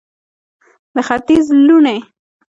د ختیځ لوڼې